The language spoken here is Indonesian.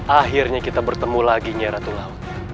akhirnya kita bertemu lagi nyai ratu laut